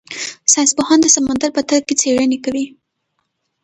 ساینس پوهان د سمندر په تل کې څېړنې کوي.